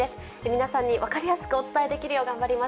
皆さんに分かりやすくお伝えできるよう頑張ります。